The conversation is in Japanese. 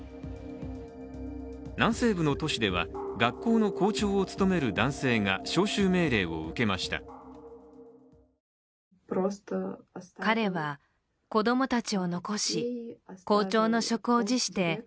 南西部の都市では、学校の校長を務める男性が招集命令を受けました。